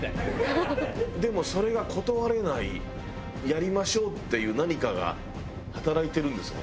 でもそれが断れないやりましょうっていう何かが働いてるんですもんね。